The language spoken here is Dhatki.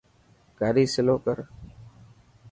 گاڏي سلو ڪر.